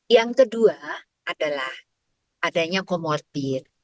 yang kedua adalah adanya komorbit